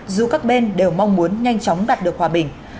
dù các bên đều mong muốn nhanh chóng đạt được hòa bình